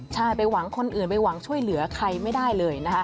ใช่ไปหวังคนอื่นไปหวังช่วยเหลือใครไม่ได้เลยนะคะ